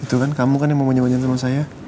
itu kan kamu kan yang mau nyon sama saya